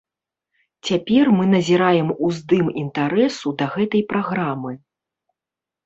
Цяпер мы назіраем уздым інтарэсу да гэтай праграмы.